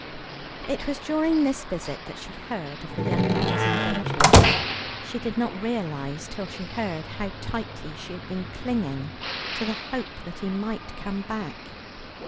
It was during this visit that she heard of the young man's engagement. She did not realize, till she heard, how tightly she had been clinging to the hope that he might come back.